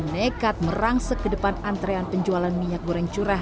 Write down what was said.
nekat merangsek ke depan antrean penjualan minyak goreng curah